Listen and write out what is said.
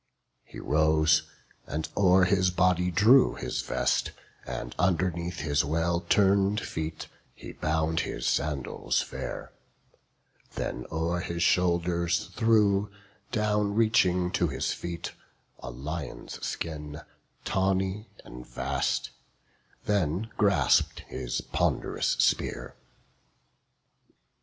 He rose, and o'er his body drew his vest, And underneath his well turn'd feet he bound His sandals fair; then o'er his shoulders threw, Down reaching to his feet, a lion's skin, Tawny and vast; then grasp'd his pond'rous spear.